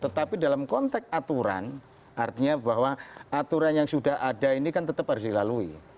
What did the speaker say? tetapi dalam konteks aturan artinya bahwa aturan yang sudah ada ini kan tetap harus dilalui